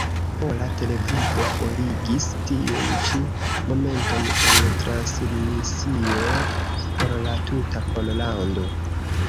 Pola Televido forigis tiun ĉi momenton el transmisio por la tuta Pollando.